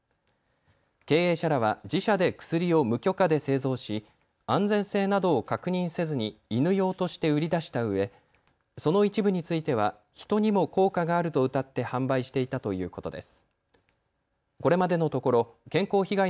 経営者らは自社で薬を無許可で製造し、安全性などを確認せずに犬用として売り出したうえその一部については人にも効果があるとうたって販売していたということです。